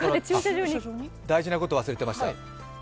大事なことを忘れていました。